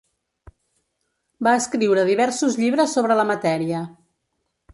Va escriure diversos llibres sobre la matèria.